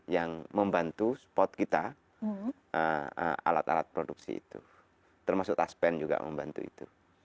yang membantu spot kita alat alat produksi itu termasuk taspen juga membantu itu